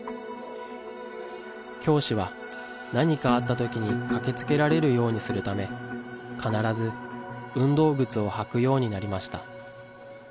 教師は何かあったときに駆けつけられるようにするため、必ず運動靴を履くようになりました。